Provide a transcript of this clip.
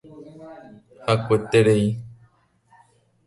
Hakueterei.